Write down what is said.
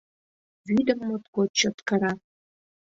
Вӱдым моткоч чот кыра...